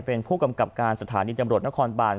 เป็นผู้กำกับการสถานีจำร